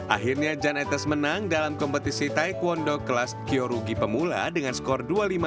akhirnya jan etes menang dalam kompetisi taekwondo kelas kyorugi pemula dengan skor dua lima